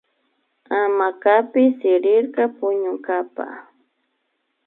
Hamacapi sirirka puñunkapa